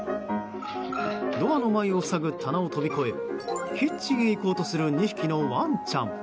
ドアの前を塞ぐ棚を飛び越えキッチンへ行こうとする２匹のワンちゃん。